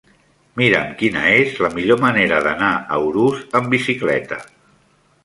Mira'm quina és la millor manera d'anar a Urús amb bicicleta.